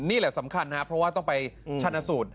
นี่แหละสำคัญนะครับเพราะว่าต้องไปชนะสูตร